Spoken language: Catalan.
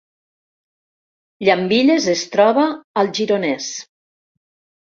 Llambilles es troba al Gironès